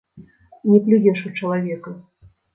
Не плюеш у чалавека.